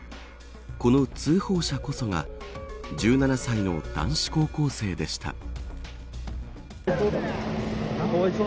この通報者こそが１７歳の男子高校生でした。